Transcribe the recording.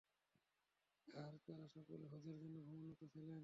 আর তারা সকলে হজের জন্যে ভ্রমণরত ছিলেন।